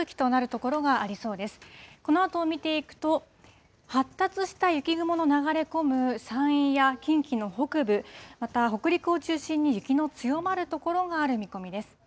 このあとを見ていくと、発達した雪雲の流れ込む山陰や近畿の北部、また北陸を中心に雪の強まる所がある見込みです。